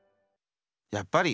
やっぱり。